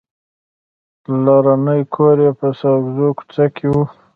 پلرنی کور یې په ساګزو کوڅه کې و.